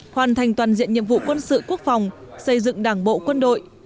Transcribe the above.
hoàn thành toàn diện nhiệm vụ quân sự quốc phòng xây dựng đảng bộ quân đội